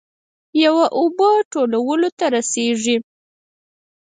یوه اوبه ټولو ته رسیږي.